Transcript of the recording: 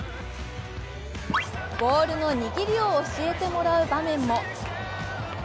ボールの握りを教えてもらう場面も。